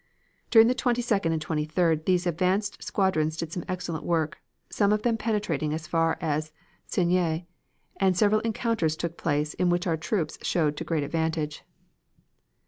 "During the 22d and 23d these advanced squadrons did some excellent work, some of them penetrating as far as Soignies, and several encounters took place in which our troops showed to great advantage.